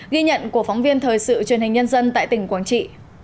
ghi nhận của phóng viên thời sự truyền hình nhân dân tại tỉnh quảng trị